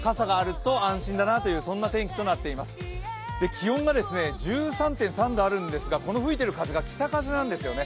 気温が１３．３度あるんですがこの吹いてる風が北風なんですよね。